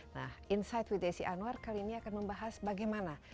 nah insight with desi anwar kali ini akan membahas bagaimana